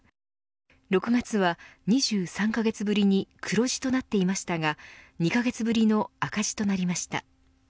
６月は２３カ月ぶりに黒字となっていましたが２カ月ぶりの赤字となりました。